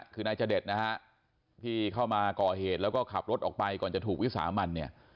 คือนายจเดชนะฮะที่เข้ามาก่อเหตุแล้วก็ขับรถออกไปก่อนจะถูกวิสามันเนี่ย